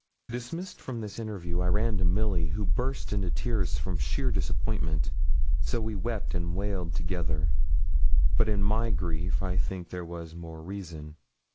Dismissed from this interview, I ran to Milly, who burst into tears from sheer disappointment, so we wept and wailed together. But in my grief I think there was more reason.